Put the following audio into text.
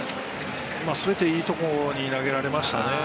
全ていいところに投げられましたね。